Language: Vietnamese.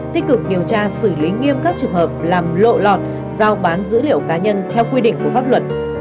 tích cực điều tra xử lý nghiêm các trường hợp làm lộ lọt giao bán dữ liệu cá nhân theo quy định của pháp luật